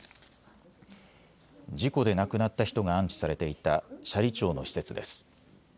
事故で亡くなった人が安置されていた斜里町の施設です。